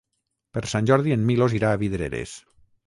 Per Sant Jordi en Milos irà a Vidreres.